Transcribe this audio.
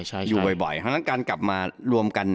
แบบนั้นการมารวมกัน